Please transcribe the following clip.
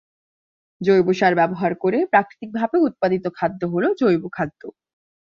জৈব সার ব্যবহার করে প্রাকৃতিকভাবে উৎপাদিত খাদ্য হল জৈব খাদ্য।